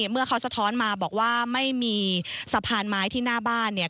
เมื่อเขาสะท้อนมาบอกว่าไม่มีสะพานไม้ที่หน้าบ้านเนี่ย